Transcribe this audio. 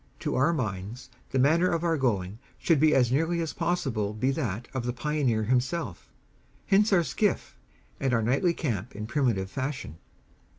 To our minds, the manner of our going should as nearly as possible be that of the pioneer himself hence our skiff, and our nightly camp in primitive fashion.